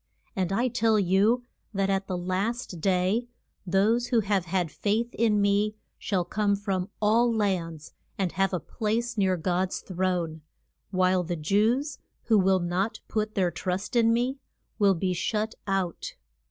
And I tell you that at the last day those who have had faith in me shall come from all lands, and have a place near God's throne; while the Jews, who will not put their trust in me, will be shut out.